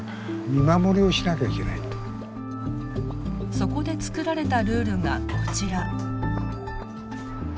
そこで作られたルールがこちら。